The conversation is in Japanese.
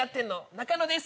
中野です